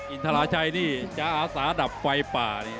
อินทราชัยนี่จะอาสาดับไฟป่านี่